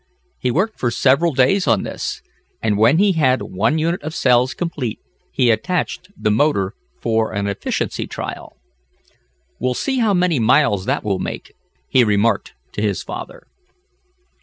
He worked for several days on this, and when he had one unit of cells complete, he attached the motor for an efficiency trial. "We'll see how many miles that will make," he remarked to his father.